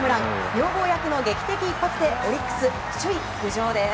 女房役の劇的一発でオリックス、首位浮上です。